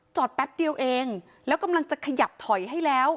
แป๊บเดียวเองแล้วกำลังจะขยับถอยให้แล้ว